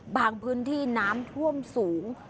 พื้นที่น้ำท่วมสูง